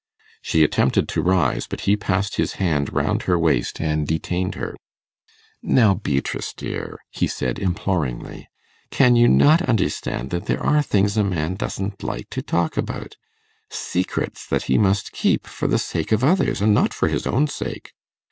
She attempted to rise, but he passed his hand round her waist and detained her. 'Now, Beatrice dear,' he said imploringly, 'can you not understand that there are things a man doesn't like to talk about secrets that he must keep for the sake of others, and not for his own sake?